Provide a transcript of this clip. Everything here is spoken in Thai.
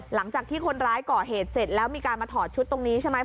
หลังจากที่คนร้ายก่อเหตุเสร็จแล้วมีการมาถอดชุดตรงนี้ใช่ไหม